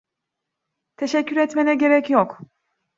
Teşekkür etmene gerek yok.